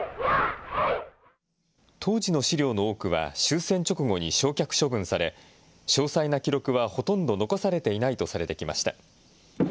当時の資料の多くは終戦直後に焼却処分され、詳細な記録はほとんど残されていないとされてきました。